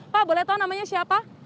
pak boleh tahu namanya siapa